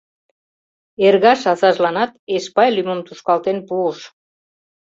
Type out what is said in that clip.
Эргаш азажланат Эшпай лӱмым тушкалтен пуыш.